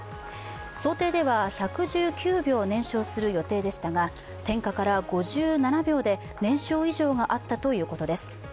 想定では１１９秒燃焼する予定でしたが点火から５７秒で燃焼異常があったということです。